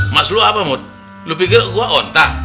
mas lu apa mut lu pikir gua ontak